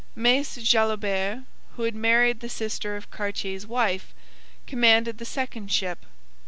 Mace Jalobert, who had married the sister of Cartier's wife, commanded the second ship.